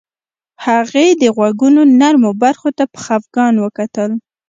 هغې د غوږونو نرمو برخو ته په خفګان وکتل